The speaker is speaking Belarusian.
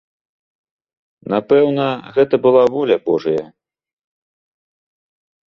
Напэўна, гэта была воля божая.